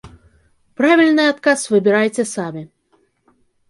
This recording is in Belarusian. Правільны адказ выбірайце самі.